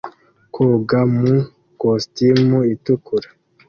Koga mu kositimu itukura